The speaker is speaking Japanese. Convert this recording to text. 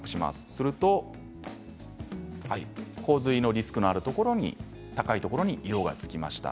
すると洪水のリスクのあるところ高いところに色がつきました。